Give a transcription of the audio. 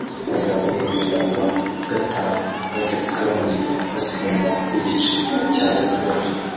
Bazava i Huye ku wa gatanu bajya i Karongi basiganwa igice cya gatandatu